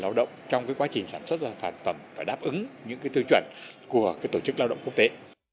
lao động trong cái quá trình sản xuất sản phẩm phải đáp ứng những cái thương chuẩn của cái tổ chức lao động quốc tế